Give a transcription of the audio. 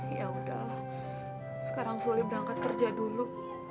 ya udah sekarang sulit berangkat kerja dulu